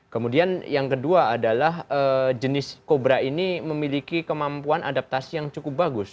kemudian yang kedua adalah jenis kobra ini memiliki kemampuan adaptasi yang cukup bagus